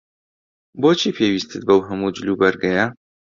بۆچی پێویستت بەو هەموو جلوبەرگەیە؟